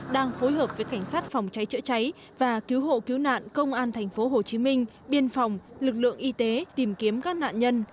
đang phối hợp với cảnh sát phòng cháy chữa cháy và cứu hộ cứu nạn công an tp hcm biên phòng lực lượng y tế tìm kiếm các nạn nhân